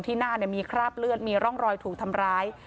หน้ามีคราบเลือดมีร่องรอยถูกทำร้าย